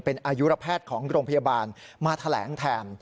เป็นอายุระแพทย์ของโรงพยาบาลมาแถลงแทน